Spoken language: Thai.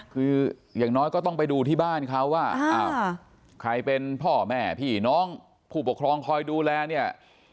คืออย่างน้อยก็ต้องไปดูที่บ้านเขาว่าใครเป็นพ่อแม่พี่น้องผู้ปกครองคอยดูแลเนี่ย